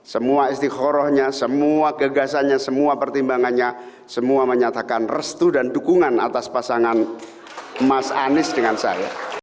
semua istiqorohnya semua gagasannya semua pertimbangannya semua menyatakan restu dan dukungan atas pasangan mas anies dengan saya